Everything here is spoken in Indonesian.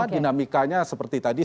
dinamikanya seperti tadi